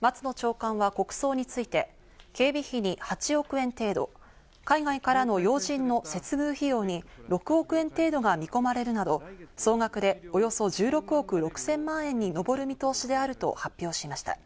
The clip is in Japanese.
松野長官は国葬について、警備費に８億円程度、海外からの要人の接遇費用に６億円程度などが見込まれるなど、総額でおよそ１６億６０００万円にのぼる見通しであると発表しました。